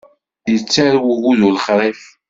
Yettarew ugudu lexṛif.